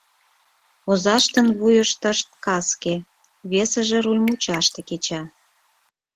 Озаштын вуйыштышт каске, весыже руль мучаште кеча.